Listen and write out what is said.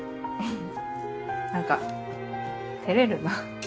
何か照れるな。